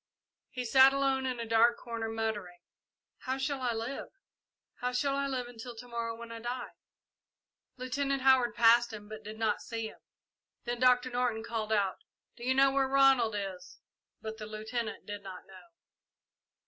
He sat alone in a dark corner, muttering, "How shall I live! How shall I live until to morrow, when I die!" Lieutenant Howard passed him, but did not see him. Then Doctor Norton called out, "Do you know where Ronald is?" but the Lieutenant did not know.